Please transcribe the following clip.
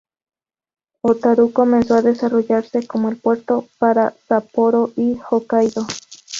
Otaru comenzó a desarrollarse como el puerto para Sapporo y Hokkaido.